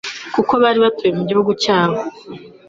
kuko bari batuye mu gihugu cyabo;